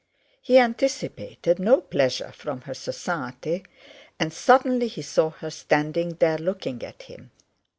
He anticipated no pleasure from her society; and suddenly he saw her standing there looking at him.